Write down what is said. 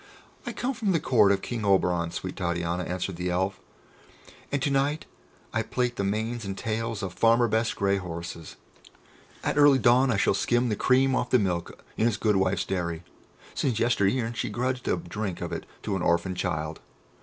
"I come from the court of King Oberon, sweet Titania," answered the Elf, "and to night I plait the manes and tails of Farmer Best's grey horses. At early dawn I shall skim the cream off the milk in his good wife's dairy, since yester e'en she grudged a drink of it to an orphan child.